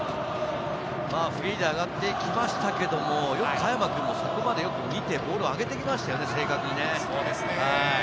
フリーで上がっていきましたけれども、よく香山君もそこまで見て、ボールを上げてきましたね、正確にね。